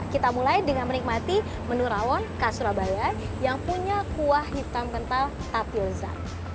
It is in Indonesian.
kita mulai dengan menikmati menu rawon khas surabaya yang punya kuah hitam kental tapioza